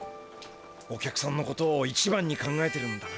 お客さんのことを一番に考えてるんだな。